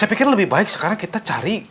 saya pikir lebih baik sekarang kita cari